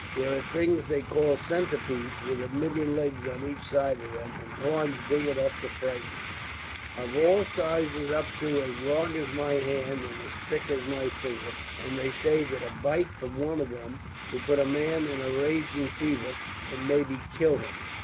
There are things they call centipades, with a million legs on each side of them, and horns big enough to frighten ye; of all sizes up to as long as my hand and as thick as my finger; and they say that a bite from one of them will put a man in a raging fever, and maybe kill him.